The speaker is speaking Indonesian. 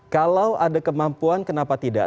kalau ada kemampuan kenapa tidak